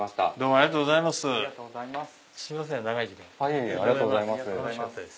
ありがとうございます。